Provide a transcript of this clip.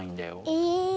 え。